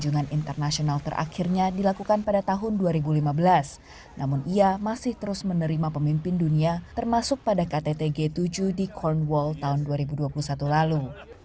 kunjungan internasional terakhirnya dilakukan pada tahun dua ribu lima belas namun ia masih terus menerima pemimpin dunia termasuk pada ktt g tujuh di cornwall tahun dua ribu dua puluh satu lalu